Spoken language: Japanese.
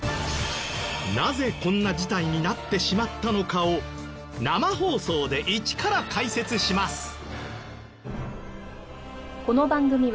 なぜこんな事態になってしまったのかを生放送で一から解説します。